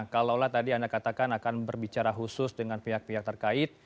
kalaulah tadi anda katakan akan berbicara khusus dengan pihak pihak terkait